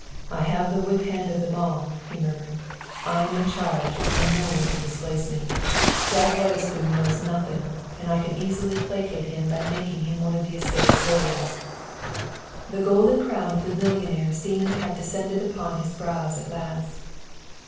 "I have the whip hand of them all," he murmured. "I am in charge, and no one can displace me. Jack Witherspoon knows nothing, and I can easily placate him by making him one of the estate's lawyers." The golden crown of the millionaire seemed to have descended upon his brows at last.